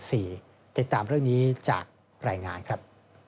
ติดตามเรื่องนี้จากรายงานครับ